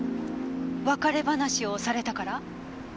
別れ話をされたから？